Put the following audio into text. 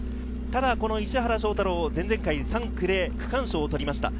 ただ石原翔太郎、前々回３区で区間賞を取りました。